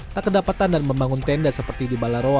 tak kedapatan dan membangun tenda seperti di balarowa